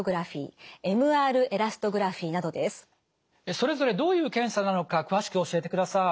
それぞれどういう検査なのか詳しく教えてください。